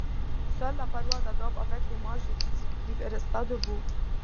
Seule la paroi d'adobe avec l'image du Christ crucifié resta debout.